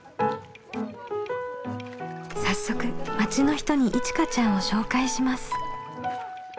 早速町の人にいちかちゃんを紹介します。